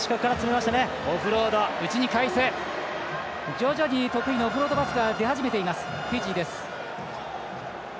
徐々に得意のオフロードパスが出始めているフィジー。